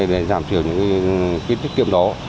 để giảm thiểu những cái tiết kiệm đó